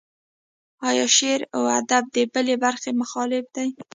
ایا شعر و ادب د بلې برخې مخالف دی.